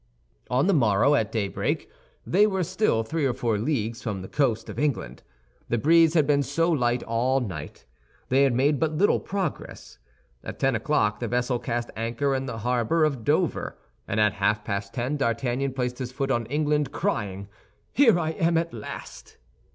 On the morrow, at break of day, they were still three or four leagues from the coast of England. The breeze had been so light all night, they had made but little progress. At ten o'clock the vessel cast anchor in the harbor of Dover, and at half past ten D'Artagnan placed his foot on English land, crying, "Here I am at last!"